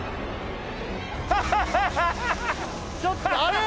ちょっとあれっ？